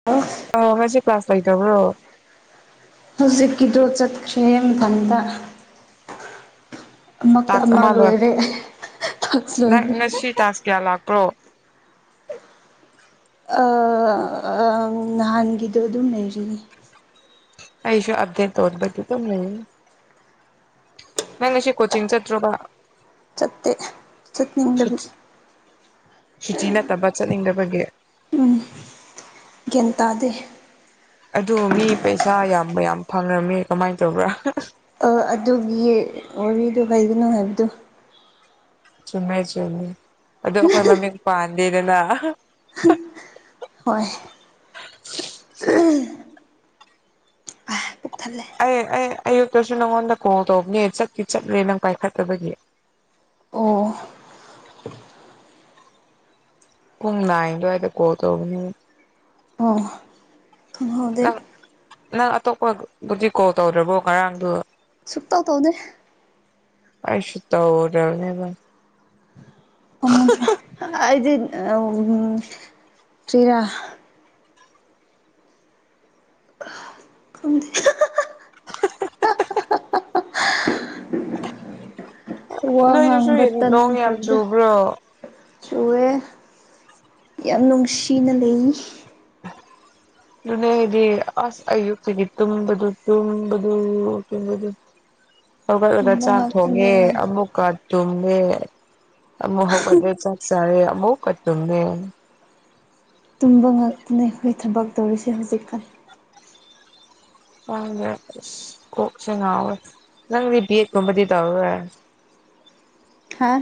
ꯑꯥ ꯑꯣ ꯉꯁꯤ ꯀ꯭ꯂꯥꯁ ꯂꯩꯇꯕꯔꯣ ꯍꯧꯖꯤꯛꯀꯤꯗꯣ ꯆꯠꯈ꯭ꯔꯦ ꯃꯊꯟꯗ ꯇꯥꯛꯁ ꯑꯃ ꯂꯣꯏ ꯇꯥꯛꯁ ꯅꯪ ꯂꯣꯏꯔꯦ ꯉꯁꯤ ꯇꯥꯁ ꯀꯌꯥ ꯂꯥꯛꯄ꯭ꯔꯣ ꯑ ꯅꯍꯥꯟꯒꯤꯗꯣ ꯑꯗꯨꯝ ꯂꯩꯔꯤꯅꯦ ꯑꯩꯁꯨ ꯑꯞꯗꯦꯠ ꯇꯧꯗꯕꯒꯤ ꯑꯗꯨꯝ ꯂꯩꯌꯦ ꯅꯪ ꯉꯁꯤ ꯀꯣꯆꯤꯡ ꯆꯠꯇ꯭ꯔꯣꯕꯥ ꯆꯠꯇꯦ ꯆꯠꯅꯤꯡꯗꯕꯒꯤ ꯁꯨꯇꯤ ꯅꯠꯇꯕ ꯆꯠꯅꯤꯡꯗꯕꯒꯤ ꯎꯝ ꯒ꯭ꯌꯥꯟ ꯇꯥꯗꯦ ꯑꯗꯨ ꯃꯤ ꯄꯩꯁꯥ ꯌꯥꯝ ꯌꯥꯝ ꯐꯪꯔꯝꯔꯦ ꯀꯃꯥꯏ ꯇꯧꯕ꯭ꯔꯥ ꯑ ꯑꯗꯨꯒꯤ ꯋꯥꯔꯤꯗꯨ ꯍꯥꯏꯒꯅꯨ ꯍꯥꯏꯕꯗꯨ ꯆꯨꯝꯔꯦ ꯆꯨꯝꯃꯦ ꯑꯗꯣ ꯑꯩꯈꯣꯏ ꯃꯃꯤꯡ ꯄꯥꯟꯗꯦꯗꯅ ꯍꯣꯏ ꯎꯝ [unintelligible] ꯄꯨꯛ ꯊꯜꯂꯦ ꯑꯩ ꯑꯩ ꯑꯌꯨꯛꯇꯁꯨ ꯅꯪꯉꯣꯟꯗ ꯀꯣꯜ ꯇꯧꯕꯅꯦ ꯆꯠꯇ ꯆꯠꯂꯦ ꯅꯪ ꯄꯥꯏꯈꯠꯇꯕꯒꯤ ꯑꯣ ꯄꯨꯡ ꯅꯥꯏꯟ ꯑꯗꯨꯋꯥꯏꯗ ꯀꯣꯜ ꯇꯧꯕꯅꯤ ꯑꯣ ꯊꯣꯡꯍꯧꯗꯦ ꯅꯪ ꯅꯪ ꯑꯇꯣꯞꯄꯕꯨꯗꯤ ꯀꯣꯜ ꯇꯧꯗ꯭ꯔꯕꯣ ꯉꯔꯥꯡꯗꯨ ꯁꯨꯛꯇ ꯇꯧꯗꯦ ꯑꯩꯁꯁꯨ ꯇꯦꯕꯜ ꯨꯗ꯭ꯔꯗꯤ ꯎ ꯇꯔꯥ ꯈꯪꯗꯦ ꯋꯥ ꯅꯣꯏꯗꯨꯁꯨ ꯉꯥꯡꯕ ꯅꯣꯡ ꯌꯥꯝ ꯇꯟꯈ꯭ꯔꯕꯗ ꯆꯨꯕ꯭ꯔꯣ ꯆꯨꯑꯦ ꯌꯥꯝ ꯅꯨꯡꯁꯤꯅ ꯂꯩ ꯑꯗꯨꯅꯦ ꯑꯩꯗꯤ ꯑꯁ ꯑꯌꯨꯛꯇꯒꯤ ꯇꯨꯝꯕꯗꯣ ꯇꯨꯝꯕꯗꯣ ꯑꯝꯇꯣꯏꯕ ꯑꯗꯨꯒꯤ [inaudible] ꯍꯧꯒꯠꯂꯒ ꯇꯨꯝꯕ ꯆꯥꯛ ꯊꯣꯡꯉꯦ ꯉꯥꯛꯇꯅꯦ ꯑꯃꯨꯛꯀ ꯇꯨꯝꯃꯦ ꯑꯃꯨꯛ ꯍꯧꯒꯠꯂꯦ ꯆꯥꯛ ꯆꯥꯔꯦ ꯑꯃꯨꯛꯀ ꯇꯨꯝꯃꯦ ꯇꯨꯝꯕ ꯉꯥꯛꯇꯅ ꯑꯩꯈꯣꯏ ꯊꯕꯛ ꯇꯧꯔꯤꯁꯦ ꯍꯧꯖꯤꯛꯀꯥꯟ ꯪꯁ꯭ꯋꯥꯏꯗ ꯑꯁ ꯀꯣꯛꯁꯦ ꯉꯥꯎꯋꯦ ꯅꯪꯗꯤ ꯕꯤꯑꯦꯠ ꯀꯨꯝꯕꯗꯤ ꯇꯧꯔꯔꯣꯏ ꯍꯥ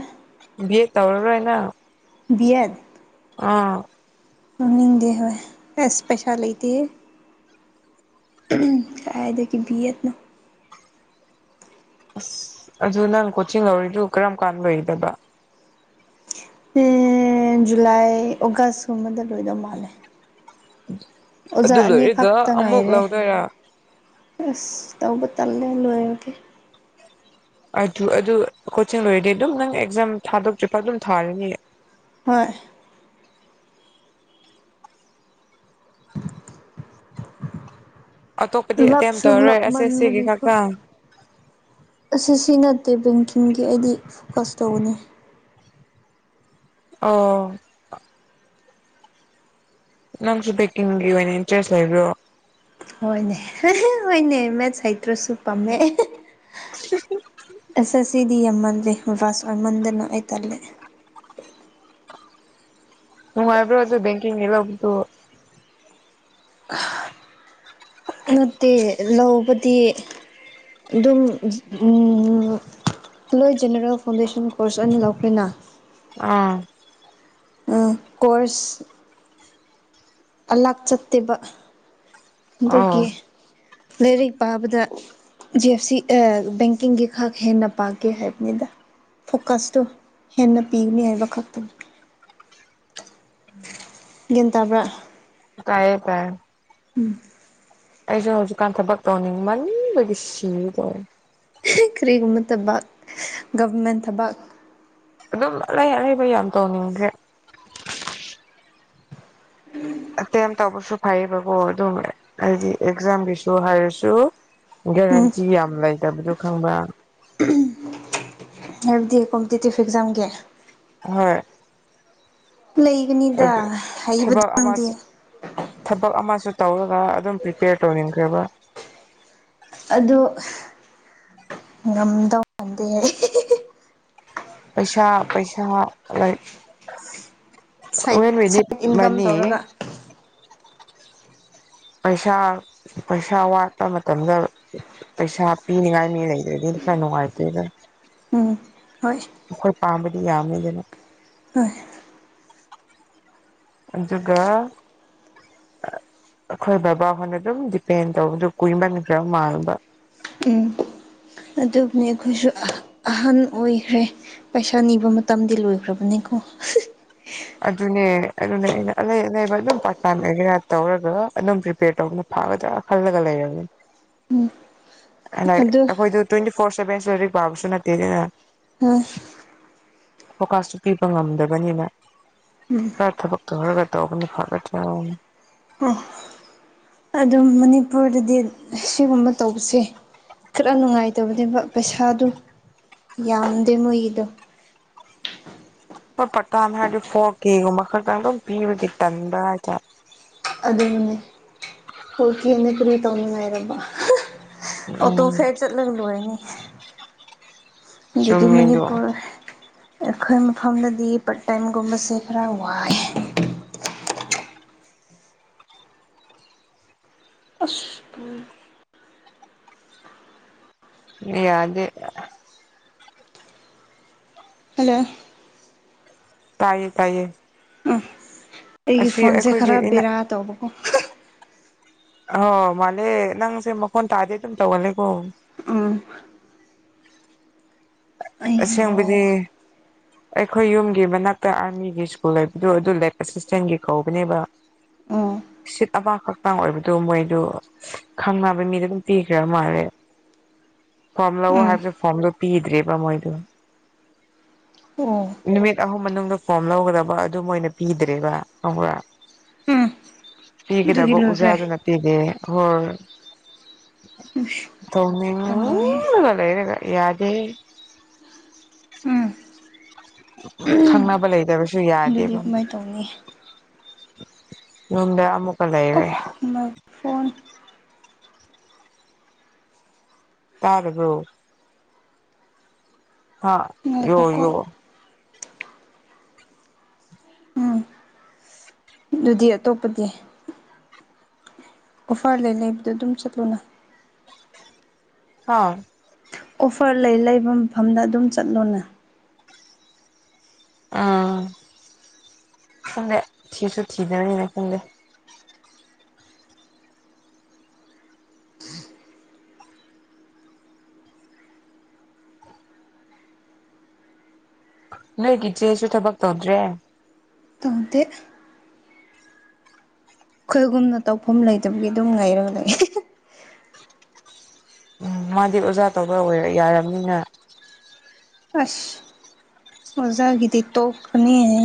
ꯕꯤ ꯑꯦ ꯇꯧꯔꯔꯣꯏꯅ ꯕꯤꯌꯠ ꯑꯥ ꯃꯅꯤꯡꯗꯦ ꯑꯦꯁꯄꯦꯁꯥ ꯂꯩ ꯂꯩꯇ ꯑꯗꯒꯤ ꯚꯌꯦꯠꯅ ꯑꯁ ꯑꯗꯨ ꯅꯪ ꯀꯣꯆꯤꯡ ꯂꯧꯔꯤꯗꯨ ꯀꯔꯝ ꯀꯥꯟꯥꯟꯕꯔꯤꯗꯕ ꯖꯨꯂꯥꯏ ꯑꯣꯒꯁꯀꯨꯝꯕꯗ ꯂꯣꯏꯗꯧ ꯃꯥꯜꯂꯦ ꯑꯗꯨ ꯑꯣꯖꯥ ꯂꯣꯏꯔꯒ ꯑꯅꯤꯈꯛꯇ ꯑꯃꯨꯛ ꯉꯥꯏꯔꯦ ꯂꯧꯗꯣꯏꯔꯥ ꯑꯁ ꯇꯧꯕ ꯇꯜꯂꯦ ꯂꯣꯏꯔꯒꯦ ꯑꯗꯨ ꯑꯗꯨ ꯀꯣꯆꯤꯡ ꯂꯣꯏꯔꯗꯤ ꯑꯗꯨꯝ ꯅꯪ ꯑꯦꯛꯖꯥꯝ ꯊꯥꯗꯣꯛꯇ꯭ꯔꯤ ꯐ ꯑꯗꯨꯝ ꯊꯥꯔꯅꯤꯌꯦ ꯍꯣꯏ ꯑꯇꯣꯞꯄꯗꯤ ꯑꯦꯇꯦꯝ ꯂꯞꯁꯨ ꯇꯧꯔꯔꯣꯏ ꯑꯁꯦ ꯁꯤꯒꯤ ꯂꯞꯃꯟꯕꯒꯤꯀꯣ ꯈꯛꯇꯪ ꯑꯁꯤ ꯁꯤ ꯅꯠꯇꯦ ꯕꯦꯡꯀꯤꯡꯒꯤ ꯑꯩꯗꯤ ꯐꯣꯀꯁ ꯇꯧꯧꯕꯅꯤ ꯑꯣ ꯅꯪꯁꯨ ꯕꯦꯀꯤꯡꯒꯤ ꯑꯣꯏꯅ ꯏꯟꯇꯔꯦꯁ ꯂꯩꯕ꯭ꯔꯣ ꯍꯣꯏꯅꯦ ꯍꯣꯏꯅꯦ ꯃꯦꯠ ꯍꯩꯇ꯭ꯔꯁꯨ ꯄꯥꯝꯃꯦ ꯁꯤ ꯑꯁ ꯑꯁꯤ ꯑꯁꯤꯗꯤ ꯌꯥꯝꯃꯜꯂꯦ ꯕꯥꯁ ꯑꯣꯏꯃꯟꯗꯅ ꯍꯥꯏꯇꯥꯔꯦ ꯅꯅꯨꯡꯥꯏꯕ꯭ꯔꯣ ꯑꯗꯨ ꯦꯡꯀꯤꯡ ꯌꯦꯂ ꯍꯣ ꯅꯠꯇꯦ ꯂꯧꯕꯗꯤ ꯑꯗꯨꯝ ꯂꯣꯏ ꯖꯦꯅꯔꯦꯜ ꯐꯥꯎꯟꯗꯦꯁꯟ ꯀꯣꯔꯁ ꯑꯣꯏꯅ ꯂꯧꯈ꯭ꯔꯦꯅ ꯎꯝ ꯀꯣꯔ ꯀꯣꯔꯁ ꯑꯂꯥꯛ ꯆꯠꯇꯦꯕ ꯑꯗꯨꯒꯤ ꯑꯧ ꯂꯥꯏꯔꯤꯛ ꯄꯥꯕꯗ ꯖꯤ ꯑꯦꯐ ꯁꯤ ꯕꯦꯡꯀꯤꯡꯒꯤ ꯈꯛ ꯍꯦꯟꯅ ꯄꯥꯒꯦ ꯍꯥꯏꯕꯅꯤꯗ ꯐꯣꯀꯁꯇꯣ ꯍꯦꯟꯅ ꯄꯤꯒꯅꯤ ꯍꯥꯏꯕ ꯈꯛꯇꯅꯤ ꯒ꯭ꯌꯥꯟ ꯇꯥꯕ꯭ꯔꯥ ꯇꯑꯦ ꯄꯥꯏꯑ ꯎꯝ ꯑꯩꯁꯨ ꯍꯧꯖꯤꯛꯀꯥꯟ ꯊꯕꯛ ꯇꯧꯅꯤꯡꯃꯟꯕꯒꯤ ꯁꯤꯗꯧ ꯀ꯭ꯔꯤꯒꯨꯝꯃꯠꯇꯕ ꯒꯕꯔꯃꯦꯟ ꯊꯕ ꯑꯗꯨꯝ ꯑꯩ ꯑꯔꯩꯕ ꯌꯥꯝ ꯇꯧꯅꯤꯡꯗ꯭ꯔꯦ ꯑꯦꯇꯦꯝ ꯇꯧꯕꯁꯨ ꯐꯩꯌꯦꯕꯀꯣ ꯑꯗꯨꯝ ꯑꯩꯗꯤ ꯑꯦꯛꯖꯥꯝꯒꯤꯁꯨ ꯍꯥꯏꯔꯁꯨ ꯎꯝ ꯒꯦꯔꯦꯟꯇꯤ ꯌꯥꯝ ꯂꯩꯇꯕꯗꯣ ꯈꯪꯕ꯭ꯔ ꯍꯥꯏꯕꯗꯤ ꯀꯣꯝꯄꯤꯇꯤꯇꯤꯞ ꯑꯦꯛꯖꯥꯝꯒꯤ ꯍꯣꯏ ꯂꯩꯒꯅꯤꯗ ꯍꯩꯕꯗꯨ ꯊꯕꯛ ꯅꯪꯗꯦ ꯑꯃꯁꯨ ꯊꯕꯛ ꯑꯃꯁꯨ ꯇꯧꯔꯒ ꯑꯗꯨꯝ ꯄ꯭ꯔꯤꯄꯦꯌꯔ ꯇꯧꯅꯤꯡꯈ꯭ꯔꯦꯕ ꯑꯗꯨ ꯉꯝꯗꯧ ꯃꯥꯟꯗꯦ ꯄꯩꯁꯥ ꯄꯩꯁꯥ ꯂꯥꯏ ꯁꯥꯏꯠ ꯋꯦꯟ ꯠ ꯁꯥꯏꯠ ꯏꯟꯀꯝ ꯃꯅꯤ ꯇꯧꯔꯒ ꯄꯩꯁꯥ ꯄꯩꯁꯥ ꯋꯥꯠꯄ ꯃꯇꯝꯗ ꯄꯩꯁꯥ ꯄꯤꯅꯤꯉꯥꯏ ꯃꯤ ꯂꯩꯗ꯭ꯔꯗꯤꯗꯤ ꯈꯔ ꯅꯨꯡꯉꯥꯏꯇꯦꯗ ꯎꯝ ꯍꯣꯏ ꯑꯩꯈꯣꯏ ꯄꯥꯝꯕꯗꯤ ꯌꯥꯝꯅꯤꯗꯅ ꯍꯣꯏ ꯑꯗꯨꯒ ꯑꯩꯈꯣꯏ ꯕꯕꯥ ꯍꯣꯟꯅ ꯑꯗꯨꯝ ꯗꯤꯄꯦꯟ ꯇꯧꯕꯗ ꯀꯨꯏꯃꯟꯈ꯭ꯔ ꯃꯥꯟꯕ ꯑꯗꯨꯕꯨꯅꯤ ꯑꯩꯈꯣꯏꯁꯨ ꯑꯍꯟ ꯑꯣꯏꯈ꯭ꯔꯦ ꯄꯩꯁꯥ ꯅꯤꯕ ꯃꯇꯝꯗꯤ ꯂꯣꯏꯈ꯭ꯔꯕꯅꯤꯀꯣ ꯑꯗꯨꯅꯦ ꯑꯗꯨꯅꯦ ꯑꯩꯅ ꯑꯂꯩ ꯑꯂꯩꯕ ꯑꯗꯨꯝ ꯄꯥꯔꯠ ꯇꯥꯏꯝ ꯑꯦꯒꯦꯔꯥ ꯇꯧꯔꯒ ꯑꯗꯨꯝ ꯄ꯭ꯔꯤꯄꯦꯌꯔ ꯇꯧꯅ ꯐꯒ ꯆ ꯈꯜꯂ ꯈꯜꯂ ꯂꯩꯒꯅꯤ ꯎꯝ ꯑꯩꯈꯣꯏꯗ ꯇ꯭ꯋꯦꯟꯇꯤ ꯐꯣꯔ ꯁꯚꯦꯟꯁꯨꯂꯔꯤ ꯄꯥꯕꯁꯨ ꯅꯠꯇꯦꯗ ꯎꯝ ꯐꯣꯀꯥꯁꯁꯨꯨ ꯄꯤꯕ ꯉꯝꯗꯕꯅꯤꯅ ꯎꯝ ꯊꯕꯛꯇ ꯍꯔꯒ ꯇꯧꯕꯅ ꯐ ꯑꯗꯨꯝ ꯃꯅꯤꯄꯨꯔꯗꯗꯤ ꯁꯤꯒꯨꯝꯕ ꯇꯧꯕꯁꯦ ꯈꯔ ꯅꯨꯡꯉꯥꯏꯇꯕꯅꯦꯕ ꯄꯩꯁꯥꯗꯨꯣ ꯌꯥꯝꯗꯦ ꯃꯣꯏꯒꯤꯗꯣ ꯍꯣꯏ ꯄꯀꯥ ꯍꯥꯏꯔꯗꯤ ꯐꯣꯔ ꯀꯦꯒꯨꯝꯕ ꯈꯛꯇꯪ ꯑꯗꯨꯝ ꯄꯤꯕꯒꯤ ꯇꯟꯕ꯭ꯔ ꯍꯥꯏꯇꯥꯔꯦ ꯑꯗꯨꯅꯅꯦ ꯍꯣꯔꯀꯤꯦꯅ ꯀꯔꯤ ꯇꯧꯅꯤꯉꯥꯏꯔꯕ ꯑꯣꯇꯣ ꯎꯝ ꯐꯦꯔ ꯆꯠꯂꯒ ꯂꯣꯅꯤ ꯑꯗꯨꯗꯤ ꯆꯨꯝꯃꯦꯗꯣ ꯃꯅꯤꯄꯨꯔ ꯑꯩꯈꯣꯏ ꯃꯐꯝꯗꯗꯤ ꯄꯥꯔꯠ ꯇꯥꯏꯝꯒꯨꯝꯕꯁꯦ ꯈꯔ ꯋꯥꯏ ꯑꯁ ꯗꯦ ꯌꯥꯗꯦ ꯍꯜꯂꯣ ꯇꯥꯏꯌꯦ ꯇꯥꯏꯌꯦ ꯑꯩꯒꯤ ꯑꯁꯤ ꯐꯣꯟꯁꯦ ꯑꯩꯈꯣꯏꯒꯤ ꯈꯔ ꯏꯅ ꯕꯦꯔꯥ ꯇꯧꯕꯀꯣ ꯑꯣ ꯃꯥꯅꯦ ꯅꯪꯁꯦ ꯃꯈꯣꯟ ꯇꯥꯗꯤꯦ ꯑꯗꯨꯝ ꯇꯧꯍꯜꯂꯦꯀꯣ ꯎꯝ ꯑꯁꯦꯡꯕꯗꯤ [unintelligible] ꯑꯩꯈꯣꯏ ꯌꯨꯝꯒꯤ ꯃꯅꯥꯛꯇ ꯑꯥꯔꯃꯤꯒꯤ ꯁ꯭ꯀꯨꯜ ꯍꯥꯏꯕꯗꯨ ꯑꯗꯨ ꯂꯦꯛ ꯑꯦꯁꯤꯁꯇꯦꯟꯒꯤ ꯀꯧꯕꯅꯦꯕ [inaudible] ꯁꯤꯠ ꯑ ꯈꯛꯇꯥꯡ ꯑꯣꯏꯕꯗꯨ ꯃꯣꯏꯗꯨ ꯈꯪꯅꯕ ꯃꯤꯗ ꯑꯗꯨꯝ ꯄꯤꯈ꯭ꯔꯦ ꯃꯥꯜꯂꯦ ꯐꯝ ꯂꯧ ꯎꯝ ꯍꯥꯏꯕꯁꯨ ꯐꯝꯗꯨ ꯄꯤꯗ꯭ꯔꯦꯕ ꯃꯣꯏꯗꯨ ꯑꯣ ꯅꯨꯃꯤꯠ ꯑꯍꯨꯝ ꯃꯅꯨꯡꯗ ꯐꯣꯝ ꯂꯧꯒꯗꯕ ꯑꯗꯨꯝ ꯃꯣꯏꯅ ꯄꯤꯗ꯭ꯔꯦꯕ ꯈꯪꯕ꯭ꯔꯥ ꯎꯝ ꯑꯗꯨꯒꯤ ꯄꯤꯒꯗꯕ ꯂꯣꯏꯈ꯭ꯔꯦ ꯑꯣꯖꯥꯗꯨꯅ ꯄꯤꯗꯦ ꯍꯣꯏ ꯏꯁ ꯄꯥꯝꯃꯨꯏꯍꯦ [unintelligible] ꯂꯩꯔꯒ ꯌꯥꯗꯦ ꯎꯝ ꯈꯪꯅꯕ ꯂꯩꯇꯕꯁꯨ ꯑꯗꯨꯗꯤ ꯌꯥꯗꯦꯕ ꯀꯃꯥꯏ ꯇꯧꯅꯤ ꯌꯨꯝꯗ ꯑꯃꯨꯛ ꯑꯣꯐ ꯃ ꯐꯣꯟ ꯇꯥꯔꯕꯨ ꯍꯥꯥ ꯌꯣ ꯉꯥꯏꯈꯣꯀꯣ ꯌꯣ ꯎꯝ ꯑꯗꯨꯗꯤ ꯑꯇꯣꯞꯄꯗꯤ ꯑꯣꯐꯥꯔꯗ ꯂꯩꯕꯗꯣ ꯑꯗꯨꯝ ꯆꯠꯂꯨꯅ ꯍꯥ ꯑꯣꯐꯔ ꯂꯩ ꯂꯩꯕ ꯃꯐꯝꯗ ꯑꯗꯨꯝ ꯆꯠꯂꯣꯅꯦ ꯎꯝ ꯈꯪꯗꯦ ꯊꯤꯁꯨ ꯊꯤꯗꯅꯤꯅ ꯈꯪꯗꯦ ꯅꯣꯏꯒꯤ ꯏꯆꯦꯁꯨ ꯊꯕꯛ ꯇꯧꯗ꯭ꯔꯦ ꯇꯧꯗꯦ ꯑꯩꯈꯣꯏꯒꯨꯝꯅ ꯇꯧꯐꯝ ꯂꯩꯇꯕꯒꯤ ꯑꯗꯨꯝ ꯉꯥꯏꯔꯒ ꯂꯩ ꯎꯝ ꯃꯥꯗꯤ ꯑꯣꯖꯥ ꯇꯧꯕ ꯑꯣꯏ ꯌꯥꯔꯕꯅꯤꯅ ꯑꯁ ꯑꯣꯖꯥꯒꯤꯗꯤ ꯇꯣ ꯀꯅꯤ ꯍꯥꯏ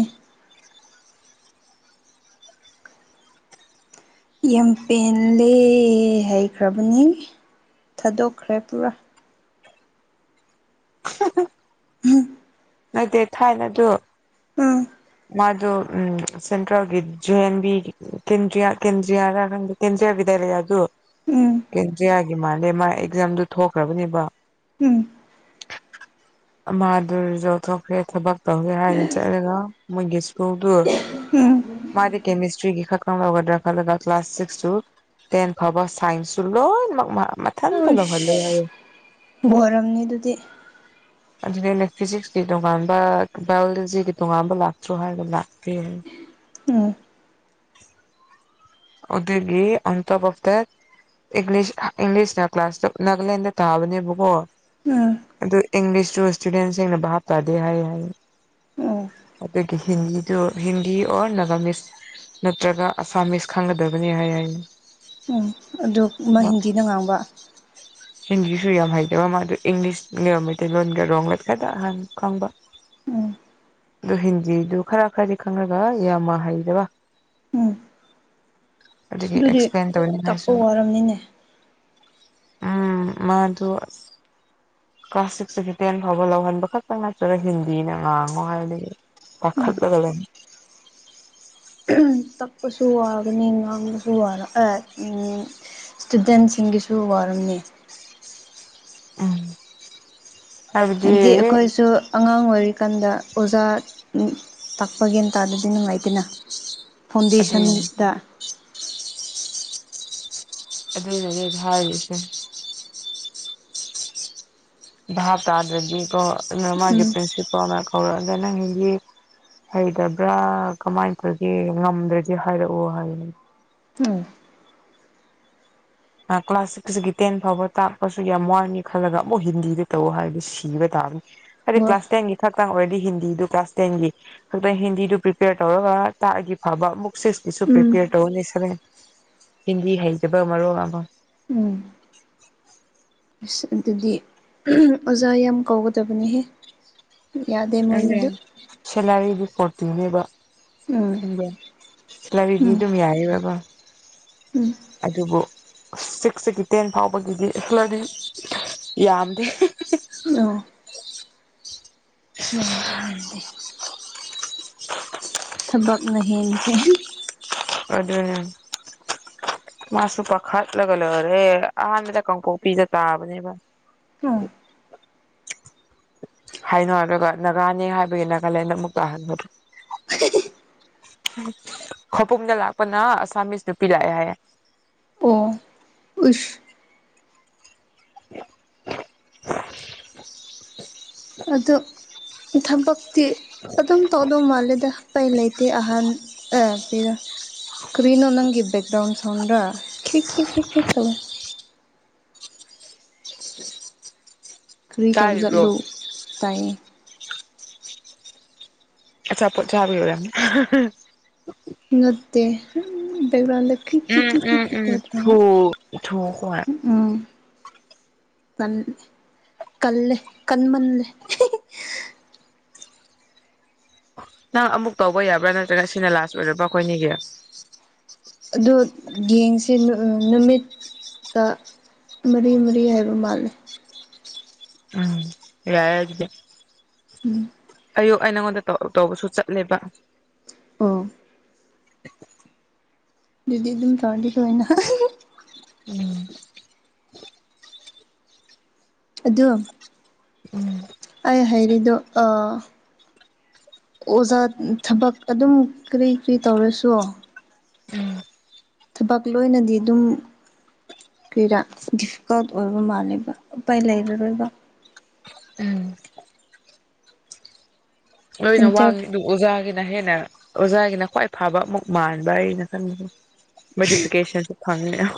ꯌꯥꯝ ꯄꯦꯟꯂꯦ ꯍꯩꯈ꯭ꯔꯕꯅꯤ ꯊꯥꯗꯣꯛꯈ꯭ꯔꯦ ꯄꯨꯔꯥ ꯅꯠꯇꯦ ꯊꯥꯏꯅꯗꯣ ꯎꯝ ꯃꯥꯗꯨ ꯎꯝ ꯁꯦꯟꯇ꯭ꯔꯦꯜꯒꯤ ꯖꯦ ꯑꯦꯟꯕꯤ ꯀꯦꯟꯗꯌꯥ ꯀꯦꯟꯗ꯭ꯔꯤꯌꯥꯔ ꯈꯪꯗꯦ ꯀꯦꯟꯗ꯭ꯔꯤꯌꯥ ꯕꯤꯗꯥꯏꯂꯌꯥꯗꯨ ꯎꯝ ꯀꯦꯟꯗ꯭ꯔꯤꯌꯥꯒꯤ ꯃꯥꯜꯂꯦ ꯃꯥ ꯑꯦꯛꯖꯥꯝꯗꯨ ꯊꯣꯛꯈ꯭ꯔꯕꯅꯦꯕ ꯎꯝ ꯃꯥꯗꯨ ꯌꯧꯊꯣꯛꯈꯦ ꯊꯕꯛ ꯇꯧꯒꯦ ꯍꯥꯏꯅ ꯆꯠꯂꯒ ꯃꯣꯏꯒꯤ ꯁ꯭ꯀꯨꯜꯗꯨ ꯎꯝ ꯃꯥꯗꯤ ꯀꯦꯃꯤꯁꯇ꯭ꯔꯤꯒꯤ ꯈꯔ ꯈꯪ ꯂꯧꯒꯗ꯭ꯔꯥ ꯈꯜꯂꯒ ꯀ꯭ꯂꯥꯁ ꯁꯤꯛꯁ ꯇꯨ ꯇꯦꯟ ꯐꯥꯎꯕꯥ ꯁꯥꯏꯟꯁꯨ ꯂꯣꯏꯅꯃꯛ ꯃꯥ ꯃꯊꯟꯇ ꯂꯧꯍꯜꯂꯦ ꯍꯥꯏꯑꯦ ꯋꯥꯔꯝꯅꯤ ꯑꯗꯨꯗꯤ ꯑꯗꯨꯗ ꯑꯩꯅ ꯐꯤꯖꯤꯛꯁꯀꯤ ꯇꯣꯉꯥꯟꯕ ꯕꯥꯏꯑꯣꯂꯣꯖꯤꯒꯤ ꯇꯣꯉꯥꯟꯕ ꯂꯥꯛꯇ꯭ꯔꯣ ꯍꯥꯏꯔꯒ ꯂꯥꯛꯇꯦꯌꯦ ꯎꯝ ꯍꯧꯗꯒꯤ ꯑꯟ ꯇꯐꯇ ꯏꯪꯂꯤꯁ ꯏꯪꯂꯤꯁꯅ ꯀ꯭ꯂꯥꯁꯇ ꯅꯥꯒꯂꯦꯟꯗ ꯇꯥꯕꯅꯦꯕꯀꯣ ꯎꯝ ꯑꯗꯨ ꯏꯪꯂꯤꯁꯇꯨ ꯏꯁꯇꯨꯗꯦꯟꯁꯤꯡꯅ ꯚꯥꯞ ꯇꯥꯗꯦ ꯍꯥꯏ ꯍꯥꯏ ꯎꯝ ꯑꯗꯨꯒꯤ ꯍꯤꯟꯗꯤꯗꯨ ꯍꯤꯟꯗꯤ ꯑꯣꯔ ꯅꯅꯥꯒꯥꯃꯤꯁ ꯅꯠꯇ꯭ꯔꯒ ꯑꯁꯥꯃꯤꯁ ꯈꯪꯒꯗꯕꯅꯤ ꯍꯥꯏ ꯍꯥꯏꯅꯤ ꯎꯝ ꯑꯗꯨ ꯃꯍ ꯍꯤꯟꯗꯤꯅ ꯉꯥꯡꯕ ꯍꯤꯟꯗꯤꯁꯨ ꯌꯥꯝ ꯍꯩꯖꯕ ꯃꯥꯗ ꯏꯪꯂꯤꯁꯅ ꯃꯩꯇꯩꯂꯣꯟꯒ ꯔꯣꯒ ꯈꯇ ꯑꯍ ꯈꯪꯕ ꯎꯝ ꯑꯗꯨ ꯍꯤꯟꯗꯤꯗꯨ ꯈꯔ ꯈꯔꯗꯤ ꯈꯪꯉꯒ ꯌꯥꯝꯃ ꯍꯩꯗꯕ ꯎꯝ ꯑꯗꯨꯒꯤ ꯑꯗꯨꯗꯤ ꯑꯦꯛꯁꯄ꯭ꯂꯦꯟ ꯇꯥꯛꯄ ꯇꯧꯅꯤꯡꯉꯥꯏꯁꯨ ꯋꯥꯔꯝꯅꯤꯅꯦ ꯎꯝ ꯃꯥꯗꯨ ꯀ꯭ꯂꯥꯁ ꯁꯤꯛꯁꯇꯒꯤ ꯇꯦꯟ ꯐꯥꯎꯕ ꯂꯧꯍꯟꯕ ꯈꯛꯇ ꯅꯠꯇ꯭ꯔꯒ ꯍꯤꯟꯗꯤꯅ ꯉꯥꯡꯉꯣ ꯍꯥꯏꯗꯤ ꯄꯈꯠꯂꯒ ꯂꯩ ꯇ ꯀꯁꯨꯋꯥꯒꯅꯤ ꯉ ꯀꯁꯨꯗ ꯎꯝ ꯏꯁꯇꯨꯗꯦꯟꯁꯤꯡꯒꯤꯁꯨ ꯋꯥꯔꯝꯅꯤ ꯑꯝ ꯍꯥꯏꯕꯗꯤ ꯑꯩꯈꯣꯏꯁꯨ ꯑꯉꯥꯡ ꯑꯣꯏꯔꯤꯀꯥꯟꯗ ꯑꯣꯖꯥ ꯇꯥꯛꯄ ꯒꯦꯟꯇꯥꯥꯗꯨꯗꯤ ꯅꯨꯡꯉꯥꯏꯇꯦꯅ ꯑꯗꯨꯅꯤ ꯐꯥꯎꯟꯗꯦꯁꯟꯗ ꯑꯗꯨ ꯑꯗꯨꯦ ꯍꯥꯏꯥꯏꯁꯦ ꯚꯥꯞ ꯇꯥꯗ꯭ꯔꯗꯤ ꯀ ꯑꯗꯨ ꯃꯥꯒꯤ ꯎꯝ ꯄ꯭ꯔꯤꯟꯁꯤꯄꯥꯜ ꯑꯃ ꯀꯧꯔꯛꯑꯒꯅ ꯍꯤꯟꯗꯤ ꯍꯩꯇꯕ꯭ꯔꯥ ꯀꯃꯥꯏꯅ ꯇꯧꯒꯦ ꯉꯝꯗ꯭ꯔꯗꯤ ꯍꯥꯏꯔꯛꯑꯣ ꯍꯥꯏꯅꯦ ꯎꯝ ꯀ꯭ꯂꯥꯁ ꯁꯤꯛꯁꯤꯒꯤ ꯇꯦꯟ ꯐꯥꯎꯕ ꯇꯥꯛꯄꯁꯨ ꯌꯥꯝ ꯋꯥꯅꯤ ꯈꯜꯂꯒ ꯑꯃꯨꯛ ꯍꯤꯟꯗꯤꯗ ꯇꯧ ꯍꯥꯏꯔꯗꯤ ꯁꯤꯕ ꯇꯥꯕꯅꯤ ꯍꯥꯏꯗꯤ ꯍꯣꯏ ꯀ꯭ꯂꯥꯁ ꯇꯦꯟꯒꯤ ꯈꯛꯇꯪ ꯑꯣꯏꯔꯗꯤ ꯍꯤꯟꯗꯤꯗꯨ ꯀ꯭ꯂꯥꯁ ꯇꯦꯟꯒꯤ ꯍꯛꯇ ꯍꯤꯟꯗꯤꯗꯨ ꯄ꯭ꯔꯤꯄꯦꯌꯔ ꯇꯧꯔꯒ ꯇꯥꯛꯑꯒꯤ ꯐꯕ ꯕꯨꯛ ꯁꯤꯁꯇꯁꯨ ꯎꯝ ꯄ꯭ꯔꯤꯄꯦꯌꯔ ꯇꯧꯔꯅꯤ ꯁꯔꯦꯟ ꯍꯤꯟꯗꯤ ꯍꯩꯇꯥꯕ ꯃꯔꯣ ꯑꯃ ꯎꯝ ꯑꯁ ꯑꯗꯨꯗꯤ ꯑꯣꯖꯥ ꯌꯥꯝ ꯀꯧꯒꯗꯕꯅꯤꯍꯦ ꯌꯥꯗꯦ ꯑꯥ ꯃꯣꯏꯒꯤꯗꯣ ꯁꯤꯂꯔꯤꯗꯤ ꯀꯇꯅꯦꯕ ꯎꯝ ꯁꯤꯂꯕꯤꯗꯤ ꯎꯝ ꯑꯗꯨꯝ ꯌꯥꯏꯌꯦ ꯕ ꯎꯝ ꯑꯗꯨꯕꯨ ꯁꯤꯛꯁꯇꯒꯤ ꯇꯦꯟ ꯐꯥꯎꯕꯒꯤꯗꯤꯂꯗꯤ ꯌꯥꯝꯗꯦ ꯑ ꯌꯥꯝꯗꯦ ꯌꯥꯝꯗꯦ ꯊꯕꯛꯅ ꯍꯦꯟꯈ꯭ꯔꯦ ꯑꯗꯨ ꯃꯥꯁꯨ ꯄꯥꯈꯠꯂꯒ ꯂꯩꯔꯦ ꯑꯍꯥꯟꯕꯗ ꯀꯥꯡꯀꯣꯛꯄꯤꯗ ꯇꯥꯕꯅꯦꯕ ꯑꯣ ꯍꯥꯏꯅꯣ ꯑꯗꯨꯒ ꯅꯥꯒꯥꯅꯦ ꯍꯥꯏꯕꯒꯤ ꯅꯥꯒꯥꯂꯦꯟꯗ ꯑꯃꯨꯛ ꯇꯥꯍꯟꯕꯗꯣ ꯈꯕꯨꯡꯗ ꯂꯥꯛꯄꯅ ꯑꯁꯥꯃꯤꯁ ꯅꯨꯄꯤ ꯂꯥꯛꯑꯦ ꯍꯥꯏꯌꯦꯦ ꯑꯣ ꯎꯁ [inaudible] ꯑꯗꯨ ꯊꯕꯛꯇꯤ ꯑꯗꯨꯝ ꯇꯧꯗꯧ ꯃꯥꯜꯂꯦꯗ ꯀꯩ ꯂꯩꯇꯦ ꯑꯍꯥꯟ ꯀꯔꯣ ꯀ꯭ꯔꯤꯅꯣ ꯅꯪꯒꯤ ꯕꯦꯛꯒ꯭ꯔꯥꯎꯟ ꯁꯥꯎꯟ꯭ꯔꯥ ꯀ꯭ꯂꯤꯛ ꯀꯤꯛ ꯀꯤꯛ ꯀ꯭ꯂꯤꯛ ꯇꯕꯣ ꯀꯔꯤ ꯇꯧꯖꯠꯂꯨ ꯇꯥꯔꯤꯕ꯭ꯔꯣ ꯇꯥꯏꯌꯦ ꯆꯄ ꯆꯥꯕꯤ ꯑꯣꯏꯔ ꯅꯠꯇꯦ ꯕꯦꯛꯒ꯭ꯔꯥꯎꯟ ꯎꯝ ꯎꯝ ꯎꯝ ꯊꯧ ꯊꯧ ꯍ ꯎꯝꯦ ꯀꯜꯂꯦ ꯀꯟꯃꯜꯂꯦ ꯅꯪ ꯑꯃꯨꯛ ꯇꯧꯕ ꯌꯥꯕ꯭ꯔꯥ ꯅꯠꯇ꯭ꯔꯒ ꯁꯤꯅ ꯂꯥꯁ ꯑꯣꯏꯔꯕ꯭ꯔꯥ ꯑꯩꯈꯣꯏꯅꯤꯒꯤ ꯑꯗꯣ ꯌꯦꯡꯁꯦ ꯅꯨꯃꯤꯠ ꯇ ꯃꯔꯤ ꯃꯔꯤ ꯍꯥꯏꯕꯃꯂ ꯌꯥꯏ ꯑꯗꯨꯗꯤ ꯑꯌꯨꯛ ꯑꯩ ꯅꯪꯉꯣꯟꯗ ꯇꯧꯕꯁꯨ ꯆꯠꯂꯦꯕ ꯎꯝ ꯑꯗꯨꯗꯤ ꯑꯗꯨꯝ ꯆꯥꯗꯤ ꯂꯅ ꯎꯝ ꯑꯗꯣ ꯎꯝ ꯑꯩ ꯍꯥꯏꯔꯤꯗꯣ ꯑꯣꯖꯥ ꯊꯕꯛ ꯑꯗꯨꯝ ꯀꯔꯤ ꯀꯔꯤ ꯇꯧꯔꯁꯨ ꯎꯝ ꯊꯕꯛ ꯂꯣꯏꯅꯗꯤ ꯑꯗꯨꯝ ꯀꯩꯔꯥ ꯗꯤꯐꯤꯀꯜꯠ ꯑꯣꯏꯕ ꯃꯥꯜꯂꯦꯕ ꯎꯄꯥꯏ ꯂꯩꯔꯔꯣꯏꯕ ꯎꯝ ꯂꯣꯏꯅ ꯑꯦꯟꯇꯔ ꯋꯥꯡꯉꯤ ꯑꯗꯨ ꯑꯣꯖꯥꯒꯤꯅ ꯍꯦꯟꯅ ꯑꯣꯖꯥꯒꯤꯅ ꯈ꯭ꯋꯥꯏ ꯐꯕ ꯑꯃꯨꯛ ꯃꯥꯟꯕ ꯑꯩꯅ ꯈꯟꯕꯁ ꯚꯦꯔꯤꯐꯤꯀꯦꯁꯟꯁꯨ ꯐꯪꯗꯦ